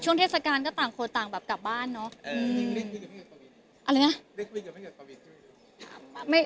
เทศกาลก็ต่างคนต่างแบบกลับบ้านเนาะ